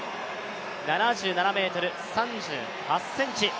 ７７ｍ３８ｃｍ。